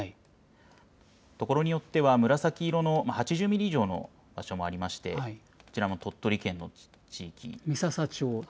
所によっては、紫色の８０ミリ以上の場所もありまして、こちらも鳥取県の地域。